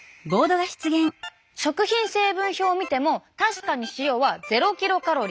食品成分表を見ても確かに塩はゼロキロカロリー！